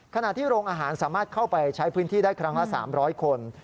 ขณะที่โรงอาหารสามารถเข้าไปใช้พื้นที่ได้ครั้งละ๓๐๐คน